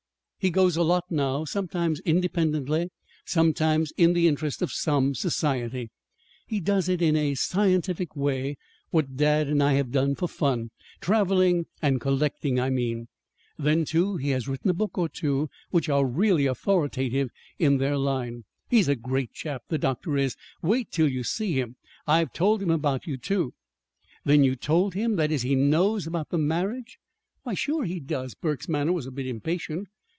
He goes a lot now, sometimes independently, sometimes in the interest of some society. He does in a scientific way what dad and I have done for fun traveling and collecting, I mean. Then, too, he has written a book or two which are really authoritative in their line. He's a great chap the doctor is. Wait till you see him. I've told him about you, too." "Then you told him that is he knows about the marriage." "Why, sure he does!" Burke's manner was a bit impatient.